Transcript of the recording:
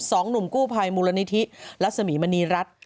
สองหนุ่มกู้ไพรมรณิษฐรรยสรรีมณีรัฐ